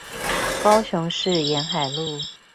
高雄市沿海路